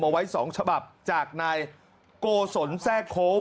เอาไว้๒ฉบับจากนายโกศลแทรกโค้ง